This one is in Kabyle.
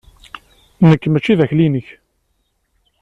Nekk maci d akli-nnek!